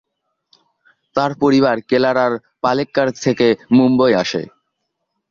তার পরিবার কেরালার পালেক্কাড় থেকে মুম্বই আসে।